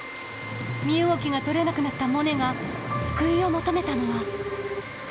身動きが取れなくなったモネが救いを求めたのは。